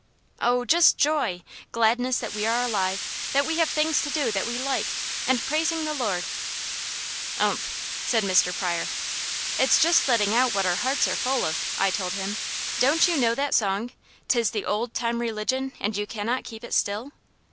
"Oh just joy! Gladness that we are alive, that we have things to do that we like, and praising the Lord." "Umph!" said Mr. Pryor. "It's just letting out what our hearts are full of," I told him. "Don't you know that song: "'Tis the old time religion And you cannot keep it still?'"